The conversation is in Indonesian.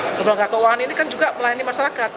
lembaga keuangan ini kan juga melayani masyarakat